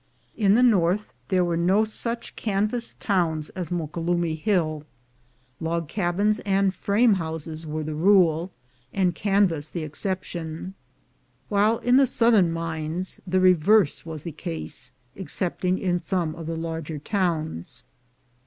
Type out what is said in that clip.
In the north there were no such canvas towns as Moquelumne Hill, Log cabins and frame houses were the rule, and canvas the exception; while in the southern mines the reverse was the case, excepting in some of the larger towns.